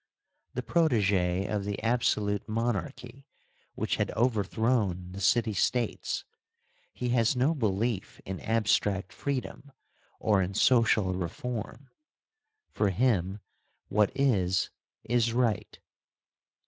The protege* of the absolute monarchy which had over thrown the city states, he has no belief in abstract freedom or in social reform. For him, what is is right.